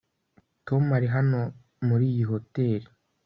Tom ari hano muri iyi hoteri